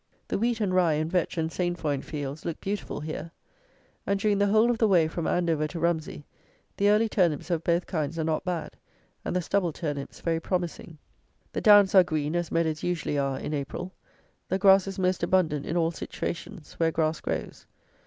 The wheat and rye and vetch and sainfoin fields look beautiful here; and, during the whole of the way from Andover to Rumsey, the early turnips of both kinds are not bad, and the stubble turnips very promising. The downs are green as meadows usually are in April. The grass is most abundant in all situations, where grass grows.